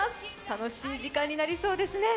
楽しい時間になりそうですね。